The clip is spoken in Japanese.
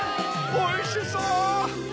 おいしそう！